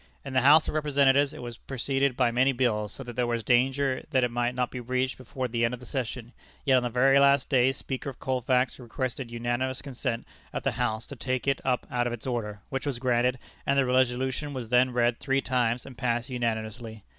In the House of Representatives it was preceded by many bills, so that there was danger that it might not be reached before the end of the session, yet on the very last day Speaker Colfax requested unanimous consent of the House to take it up out of its order, which was granted, and the resolution was then read three times, and passed unanimously.